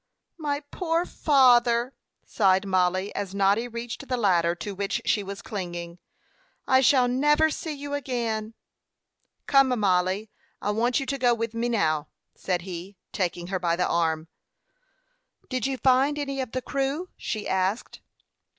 "My poor father!" sighed Mollie, as Noddy reached the ladder to which she was clinging; "I shall never see you again." "Come, Mollie. I want you to go with me now," said he, taking her by the arm. "Did you find any of the crew?" she asked.